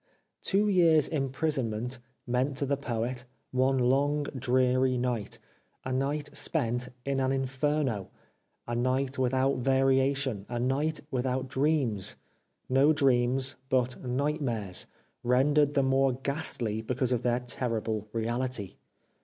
Two years' imprisonment meant to the Poet one long, dreary night — a night spent in an In ferno, a night without variation, a night without dreams : no dreams, but nightmares, rendered the more ghastly because of their terrible reality.